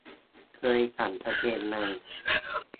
เคยสั่งกางเกงใน